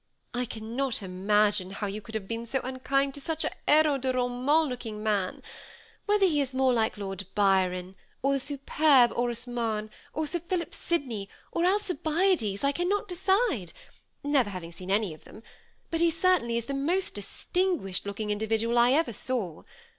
I cannot imagine how you could have been so unkind to such a heros de roman looking man. Whether he is more like Lord Byron, or the superb Orosmane, or Sir Philip Sydney, or Alcibiades, I cannot decide, never having seen any of them ; but he certainly is the most distinguished looking individual I ever saw.